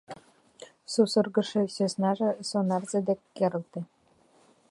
Сусыргышо сӧснаже сонарзе дек керылте.